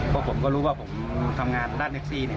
จะไม่สามารถทำงานด้านนี้ได้